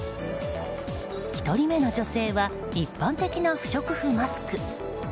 １人目の女性は一般的な不織布マスク。